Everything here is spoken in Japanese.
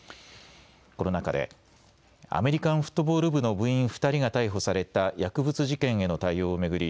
この中でアメリカンフットボール部の部員２人が逮捕された薬物事件への対応を巡り